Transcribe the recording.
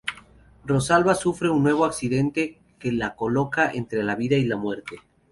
Rosalba sufre un nuevo accidente que la coloca entre la vida y la muerte.